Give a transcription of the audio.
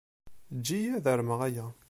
Eǧǧ-iyi ad armeɣ aya.